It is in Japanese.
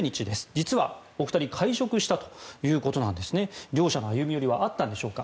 実はお二人会食したということです。両者の歩み寄りはあったんでしょうか。